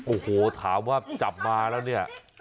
โอ้โหถามว่าจับมาแล้วเนี่ย